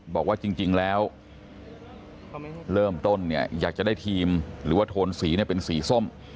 บอกว่าจริงแล้วเริ่มต้นเนี่ยอยากจะได้ทีมหรือว่าโทนสีเป็นสีส้ม